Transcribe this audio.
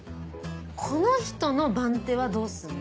この人の番手はどうすんの？